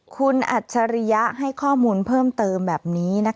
คุณอัจฉริยะให้ข้อมูลเพิ่มเติมแบบนี้